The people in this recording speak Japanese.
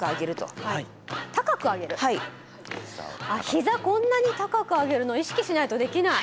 ひざこんなに高く上げるの意識しないとできない。